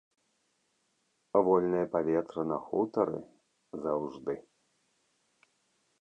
Вольнае паветра на хутары заўжды.